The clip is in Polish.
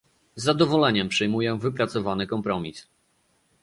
Z zadowoleniem przyjmuję wypracowany kompromis